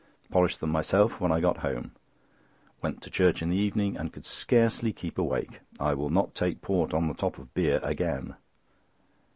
Polished them myself when I got home. Went to church in the evening, and could scarcely keep awake. I will not take port on the top of beer again.